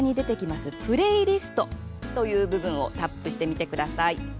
プレイリストという部分をタップしてみてください。